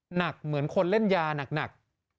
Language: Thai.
หนักเหมือนคนเล่นยาหนัก